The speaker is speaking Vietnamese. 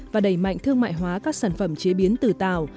và đẩy mạnh thương mại hóa các sản phẩm chế biến tử tạo